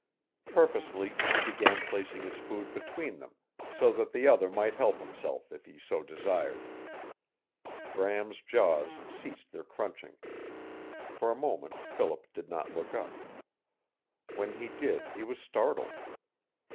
Purposely he began placing his food between them, so that the other might help himself if he so desired. Bram's jaws ceased their crunching. For a moment Philip did not look up. When he did he was startled.